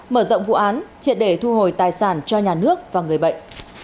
mở rộng vụ án triệt để thu hồi tài sản cho nhà nước và người bệnh